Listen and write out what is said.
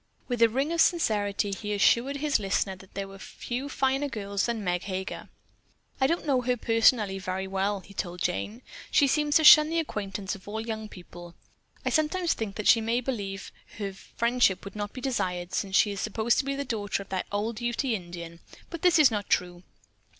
With a ring of sincerity he assured his listener that there were few girls finer than Meg Heger. "I do not know her personally very well," he told Jane. "She seems to shun the acquaintance of all young people. I sometimes think that she may believe her friendship would not be desired since she is supposed to be the daughter of that old Ute Indian, but this is not true.